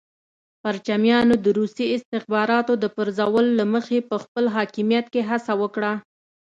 پرچمیانو د روسي استخباراتو د پرپوزل له مخې په خپل حاکمیت کې هڅه وکړه.